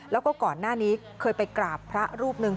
แล้วก็ก่อนหน้านี้เคยไปกราบพระรูปหนึ่ง